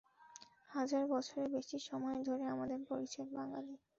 হাজার বছরের বেশি সময় ধরে আমাদের পরিচয় বাঙালি।